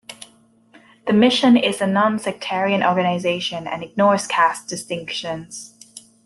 The mission is a non-sectarian organisation and ignores caste distinctions.